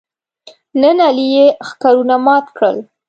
نن علي یې ښکرونه مات کړل.